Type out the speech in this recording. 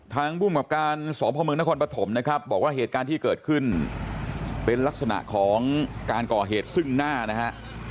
ภูมิกับการสพมนครปฐมนะครับบอกว่าเหตุการณ์ที่เกิดขึ้นเป็นลักษณะของการก่อเหตุซึ่งหน้านะฮะ